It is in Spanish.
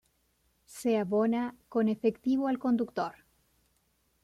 Se abona con efectivo al conductor.